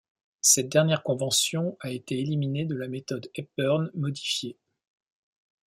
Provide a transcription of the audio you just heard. Cette dernière convention a été éliminée de la méthode Hepburn modifiée.